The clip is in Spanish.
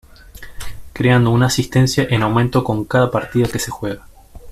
Creando una asistencia en aumento con cada partido que se juega.